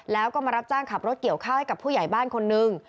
แล้วก็มารับจ้างขับรถเกี่ยวข้าวให้กับผู้ใหญ่บ้านคนนึง